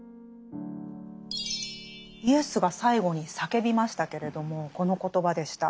イエスが最後に叫びましたけれどもこの言葉でした。